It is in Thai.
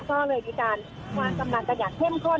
ก็เลยมีการความกำลังกระยังเข้มข้น